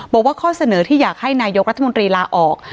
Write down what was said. บอกว่าข้อเสนอที่อยากให้นายกรัฐมนตรีลาออก